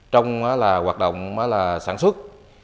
trong các hoạt động sản xuất